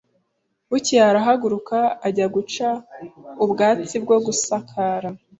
Bukeye arahaguruka ajya guca ubwatsi bwo gusakara